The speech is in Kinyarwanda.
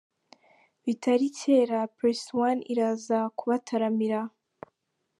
Bitari kera press One iraza kubataramira.